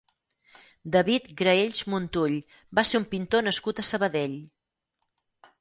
David Graells Montull va ser un pintor nascut a Sabadell.